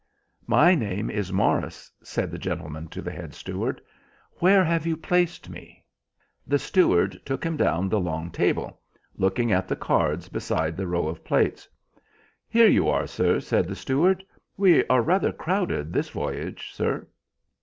"My name is Morris," said that gentleman to the head steward. "Where have you placed me?" The steward took him down the long table, looking at the cards beside the row of plates. "Here you are, sir," said the steward. "We are rather crowded this voyage, sir."